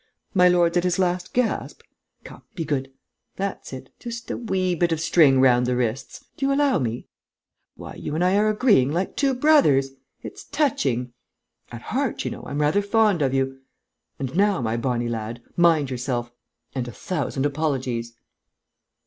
My lord's at his last gasp?... Come, be good!... That's it, just a wee bit of string round the wrists; do you allow me?... Why, you and I are agreeing like two brothers! It's touching!... At heart, you know, I'm rather fond of you.... And now, my bonnie lad, mind yourself! And a thousand apologies!..."